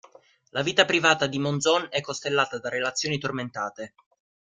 La vita privata di Monzón è costellata da relazioni tormentate.